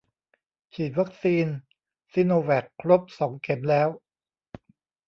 ฉีดวัคซีนซิโนแวคครบสองเข็มแล้ว